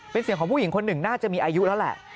เป็นเสียงของผู้หญิงคนหนึ่งน่าจะมีอายุแล้วแหละ